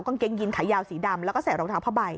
กางเกงยินขายาวสีดำแล้วก็ใส่รองเท้าผ้าใบ